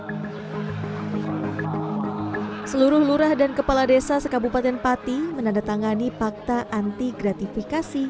hai seluruh lurah dan kepala desa sekabupaten pati menandatangani fakta anti gratifikasi